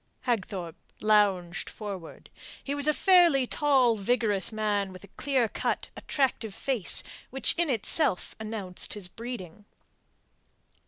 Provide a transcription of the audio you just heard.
Hagthorpe lounged forward. He was a fairly tall, vigorous man with a clear cut, attractive face which in itself announced his breeding.